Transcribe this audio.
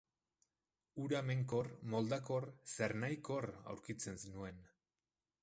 Ura menkor, moldakor, zernahikor aurkitzen nuen.